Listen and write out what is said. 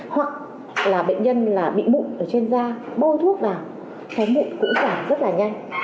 hoặc là bệnh nhân là bị mụn ở trên da bôi thuốc vào cái mụn cũng giảm rất là nhanh